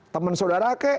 temen saudara kek